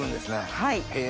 はい。